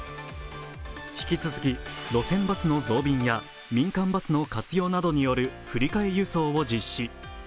引き続き路線バスの増便や民間バスの活用などによる振替輸送を実施。